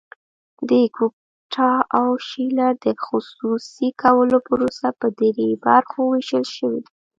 د ګوپټا او شیلر د خصوصي کولو پروسه په درې برخو ویشل شوې ده.